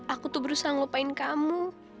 aku tuh berusaha melupain kamu